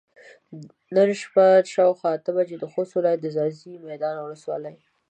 نن د شپې شاوخوا اته بجې د خوست ولايت د ځاځي ميدان ولسوالۍ